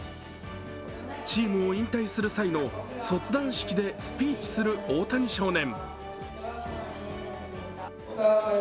チームを引退する際の卒団式でスピーチする大谷少年。